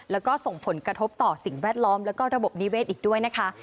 แล้วก็ส่งผลกระทบต่อสิ่งแวดล้อมแล้วก็ระบบนิเวศอีกด้วยนะคะ